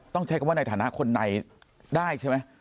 ต้องใช้คำว่าในฐานะคนในได้ใช่ไหม